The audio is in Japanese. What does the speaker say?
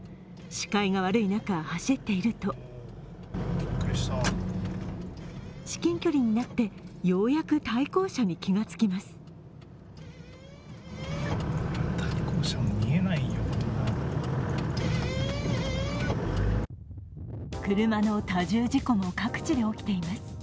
視界が悪い中、走っていると至近距離になって、ようやく対向車に気がつきます。